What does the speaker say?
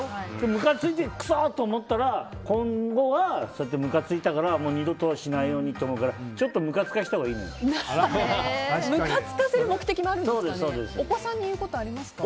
むかついて、くそー！と思ったら今後はそうやってむかついたから二度としないようにって思うからちょっとむかつかせたほうがむかつかせる目的もあるんですかね。